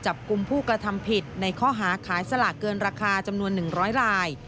จับกลุ่มผู้กระทำผิดในข้อหาขายสลากเกินราคาจำนวน๑๐๐ลาย